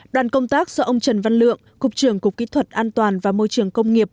đoàn công tác do ông trần văn lượng cục trưởng cục kỹ thuật an toàn và môi trường công nghiệp